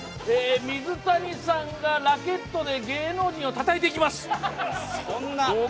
水谷さんがラケットで芸能人をたたいていきます。